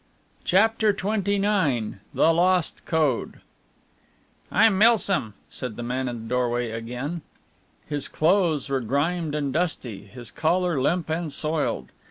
CHAPTER XXIX THE LOST CODE "I'm Milsom," said the man in the doorway again. His clothes were grimed and dusty, his collar limp and soiled.